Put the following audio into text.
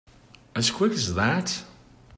As quick as that?